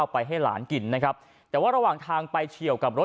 พร้อมกับเหตุการณ์อื่นครับ